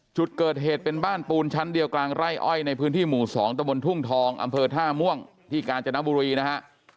จุดเกิดเหตุเป็นบ้านปูนชั้นเดียวกลางไร่อ้อยในพื้นที่หมู่๒ตะบนทุ่งทองอำเภอท่าม่วงที่กาญจนบุรีนะฮะ